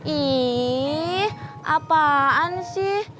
ih apaan sih